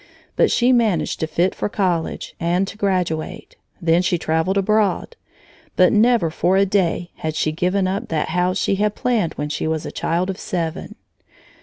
But she managed to fit for college and to graduate. Then she traveled abroad. But never for a day had she given up that house she had planned when she was a child of seven.